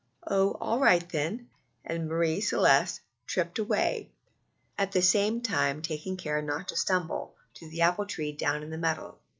"Oh, all right, then," and Marie Celeste tripped away, at the same time taking care not to stumble, to the apple tree down in the meadow.